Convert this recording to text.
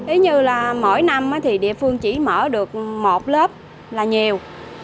ý như là mỗi năm thì địa phương chỉ mở được một lớp là nhiều